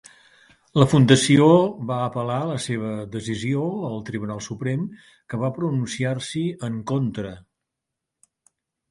La fundació va apel·lar la seva decisió al Tribunal Suprem, que va pronunciar-s'hi en contra.